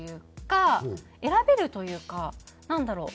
選べるというかなんだろう